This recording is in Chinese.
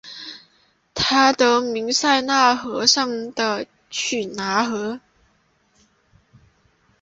它得名于塞纳河上的耶拿桥。